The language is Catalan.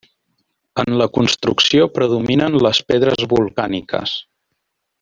En la construcció predominen les pedres volcàniques.